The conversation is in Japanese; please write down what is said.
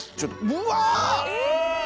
うわ！